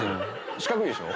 四角いでしょ。